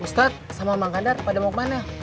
ustadz sama bang kadar pada mau kemana